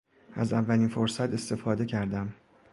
از اولین فرصت استفاده کردم.